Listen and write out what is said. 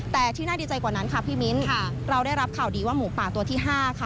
แต่ที่น่าดีใจกว่านั้นค่ะพี่มิ้นเราได้รับข่าวดีว่าหมูป่าตัวที่๕ค่ะ